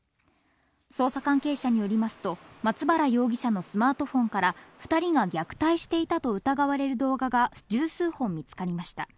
捜査関係者によりますと、松原容疑者のスマートフォンから２人が虐待していたと疑われる動画が１０数本見つかりました。